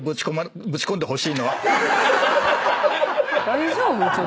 大丈夫？